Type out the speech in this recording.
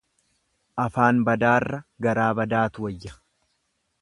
Afaan badaarra garaa badaatu wayya.